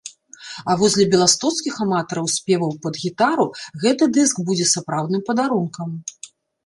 А вось для беластоцкіх аматараў спеваў пад гітару гэты дыск будзе сапраўдным падарункам.